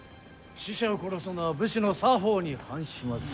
使者を殺すのは武士の作法に反します。